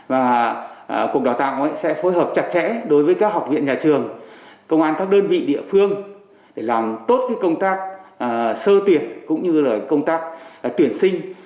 và cục đào tạo sẽ phối hợp chặt chẽ đối với các học viện nhà trường công an các đơn vị địa phương để làm tốt công tác sơ tuyển cũng như là công tác tuyển sinh